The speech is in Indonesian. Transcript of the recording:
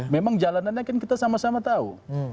memang jalanannya kan kita sama sama tahu